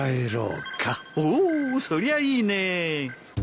おおそりゃいいね。